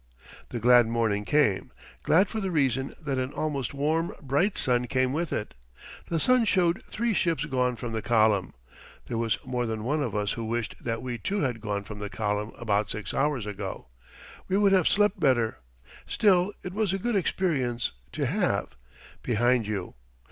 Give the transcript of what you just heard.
The glad morning came, glad for the reason that an almost warm, bright sun came with it. The sun showed three ships gone from the column. There was more than one of us who wished that we too had gone from the column about six hours ago. We would have slept better. Still, it was a good experience to have behind you.